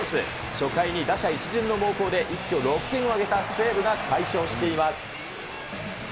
初回に打者一巡の猛攻で、一挙６点を挙げた西武が快勝しています。